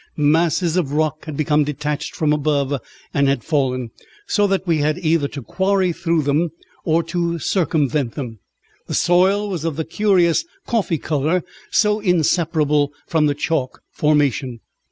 Masses of rock had become detached from above and had fallen, so that we had either to quarry through them or to circumvent them. The soil was of that curious coffee colour so inseparable from the chalk formation.